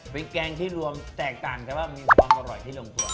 เป็นแกงที่รวมแตกต่างแต่ว่ามีความอร่อยที่รวมกล่อม